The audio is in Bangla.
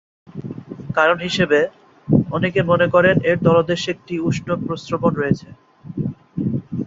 কারণ হিসেবে অনেকে মনে করেন এর তলদেশে একটি উষ্ণ প্রস্রবণ রয়েছে।